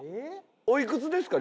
おいくつですか？